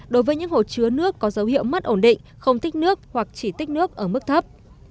đối với những hồ chứa nước có dấu hiệu mất ổn định không tích nước hoặc chỉ tích nước ở mức thấp